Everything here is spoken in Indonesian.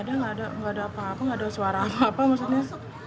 tidak ada tidak ada apa apa tidak ada suara apa apa maksudnya